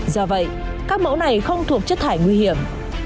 do vậy các mẫu này không thuộc chất thải nguy hiểm